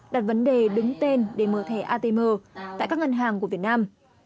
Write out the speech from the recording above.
đặt vấn đề đứng tên để mở thẻ atm tại các ngân hàng của việt nam